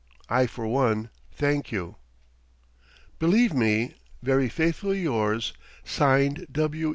I for one thank you. Believe me Very faithfully yours (Signed) W.